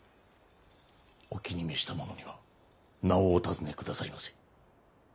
お気に召した者には名をお尋ね下さいませ。